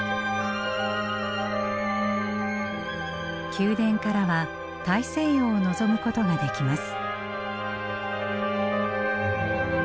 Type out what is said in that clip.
宮殿からは大西洋を望むことができます。